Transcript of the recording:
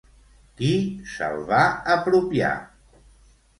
Qui se'l va apropiar?